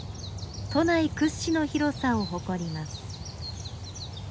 都内屈指の広さを誇ります。